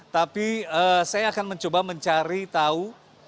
tapi saya akan mencoba mencari tahu